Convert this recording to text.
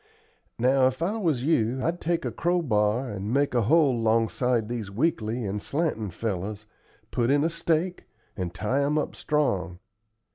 Now, if I was you, I'd take a crow bar 'n' make a hole 'longside these weakly and slantin' fellers, put in a stake, and tie 'em up strong.